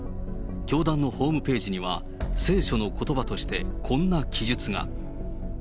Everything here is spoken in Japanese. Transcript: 教団のホームページには、聖書のことばとして、こんな記述が。